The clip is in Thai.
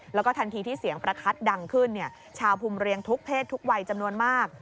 แล้วก็ทันทีที่เสียงประทัดดังขึ้นชาวภูมิเรียงทุกเพศทุกวัยจำนวนมาก